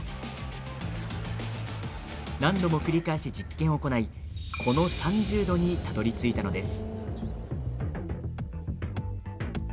何度も繰り返し実験を行いこの３０度にたどりついたのです。